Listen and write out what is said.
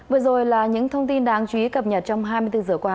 vừa rồi là những thông tin đáng chú ý cập nhật trong hai mươi bốn giờ qua